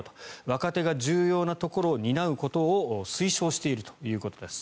若手が重要なところを担うことを推奨しているということです。